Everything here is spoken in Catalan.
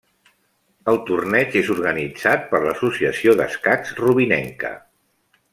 El torneig és organitzat per l'Associació d'Escacs Rubinenca.